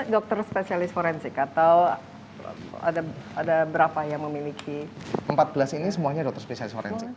dokter spesialis forensik atau ada berapa yang memiliki empat belas ini semuanya dokter spesialis forensik